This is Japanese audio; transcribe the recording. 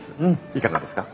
いかがですか？